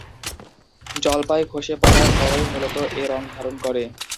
জলপাই খসে পড়ার পরই মুলত এ রং ধারণ করে।